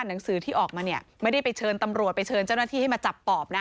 หนังสือที่ออกมาเนี่ยไม่ได้ไปเชิญตำรวจไปเชิญเจ้าหน้าที่ให้มาจับปอบนะ